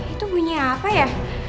itu bunyi apa ya